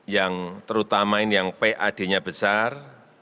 yang terutama ini yang pad nya besar